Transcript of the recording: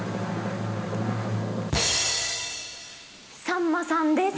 さんまさんです。